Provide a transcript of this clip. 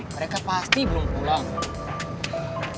mereka pasti belum pulang